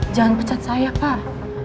jangan pecat saya pak